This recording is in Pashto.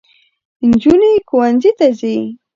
نجوني ښوونځۍ ته ځي